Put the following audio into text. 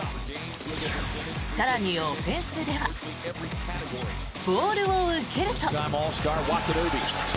更にオフェンスではボールを受けると。